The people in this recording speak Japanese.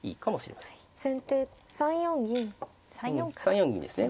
３四銀ですね。